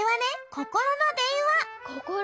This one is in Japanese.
ココロのでんわ？